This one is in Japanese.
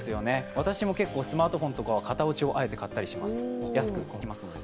私もスマートフォンとかは型落ちをあえて買ったりします。